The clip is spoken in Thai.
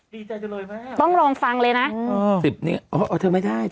ดีใจจังเลยไหมต้องลองฟังเลยนะสิบนี้อ๋อเอาเธอไม่ได้